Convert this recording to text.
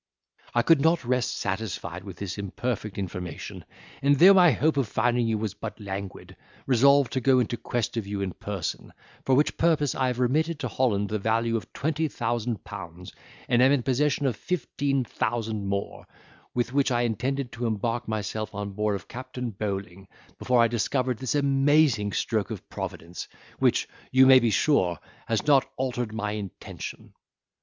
I could not rest satisfied with this imperfect information, and, though my hope of finding you was but languid, resolved to go in quest of you in person; for which purpose, I have remitted to Holland the value of twenty thousand pounds, and am in possession of fifteen thousand more, with which I intended to embark myself on board of Captain Bowling, before I discovered this amazing stroke of Providence, which, you may be sure, has not altered my intention."